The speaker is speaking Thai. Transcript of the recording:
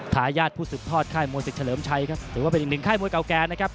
ทายาทผู้จุดทอดไข้มวยสิบเฉลิมชัยครับถือว่าเป็นอีกหนึ่งไข้มวยเก่าแกนนะครับ